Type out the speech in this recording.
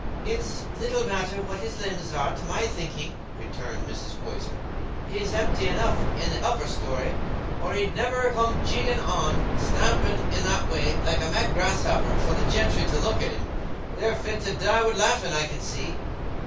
"It's little matter what his limbs are, to my thinking," re turned Mrs. Poyser. "He's empty enough i' the upper story, or he'd niver come jigging an' stamping i' that way, like a mad grasshopper, for the gentry to look at him. They're fit to die wi' laughing, I can see."